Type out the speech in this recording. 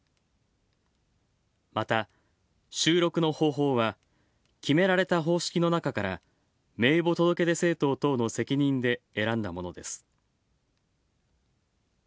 また、収録の方法は決められた方式の中から名簿届出政党等の責任で選んだものです。